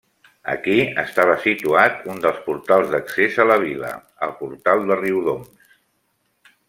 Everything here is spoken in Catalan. Aquí estava situat un dels portals d'accés a la vila, el portal de Riudoms.